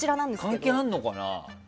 関係あるのかな？